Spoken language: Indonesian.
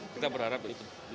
kita berharap ini berlaku